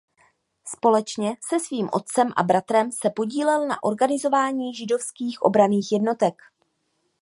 Společně se svým otcem a bratrem se podílel na organizování židovských obranných jednotek.